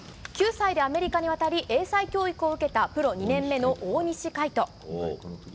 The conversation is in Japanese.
９歳でアメリカに渡り、英才教育を受けた、プロ２年目の大西魁斗。